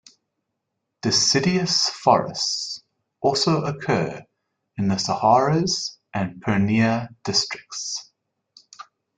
Deciduous forests also occur in the Saharsa and Purnia districts.